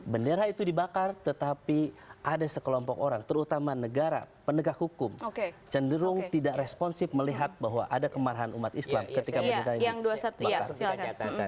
bendera itu dibakar tetapi ada sekelompok orang terutama negara penegak hukum cenderung tidak responsif melihat bahwa ada kemarahan umat islam ketika bendera ini